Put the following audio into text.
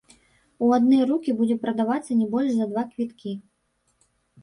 У адны рукі будзе прадавацца не больш за два квіткі.